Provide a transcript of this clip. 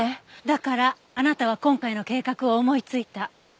だからあなたは今回の計画を思いついた。